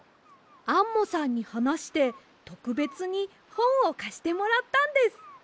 アンモさんにはなしてとくべつにほんをかしてもらったんです。